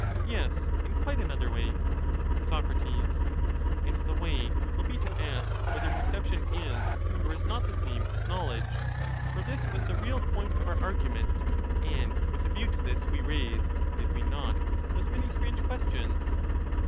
Yes, in quite another way. \^ Soc. And the way will be to ask whether perception is or is pcrccp is not the same as knowledge ; for this was the real point of 1^"^"°^' our argument, and with a view to this we raised (did we not?) those many strange questions.